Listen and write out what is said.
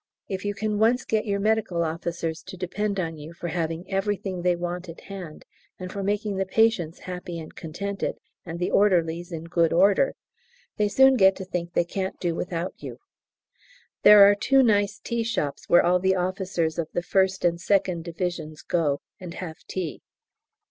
If you can once get your Medical Officers to depend on you for having everything they want at hand, and for making the patients happy and contented, and the orderlies in good order, they soon get to think they can't do without you. There are two nice tea shops where all the officers of the 1st and 2nd Divisions go and have tea.